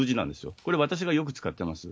これ、私がよく使ってます。